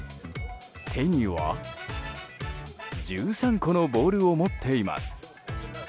手には１３個のボールを持っています。